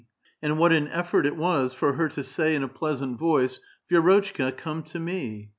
and what an effort it was for her to say in a pleasant voice, " Vi^rotchka, come to me."